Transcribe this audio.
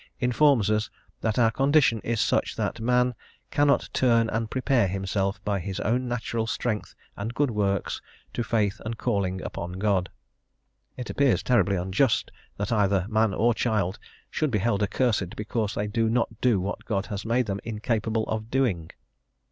informs us that our condition is such that a man "cannot turn and prepare himself, by his own natural strength and good works, to faith and calling upon God," it appears terribly unjust that either child or man should be held accursed because they do not do what God has made them incapable of doing.